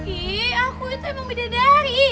ih aku itu emang bidadari